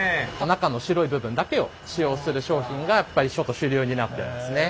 中の白い部分だけを使用する商品がやっぱり主流になってますね。